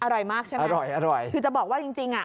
อร่อยมากใช่ไหมอร่อยคือจะบอกว่าจริงอ่ะ